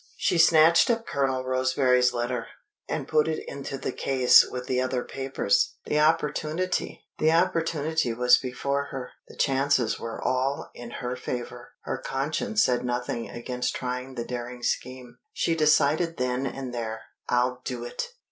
She snatched up Colonel Roseberry's letter, and put it into the case with the other papers. The opportunity was before her; the chances were all in her favor; her conscience said nothing against trying the daring scheme. She decided then and there "I'll do it!"